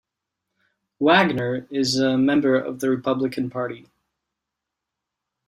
Wagner is a member of the Republican Party.